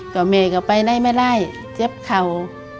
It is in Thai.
ก็เมย์ก็ไปไล่ไม่ไล่เจ็บเข่า